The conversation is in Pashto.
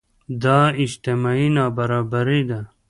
دا اجتماعي نابرابري ده.